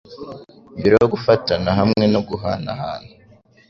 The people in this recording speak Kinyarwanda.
mbere yo gufatana hamwe no guhanahana